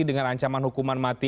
dengan ancaman hukuman mati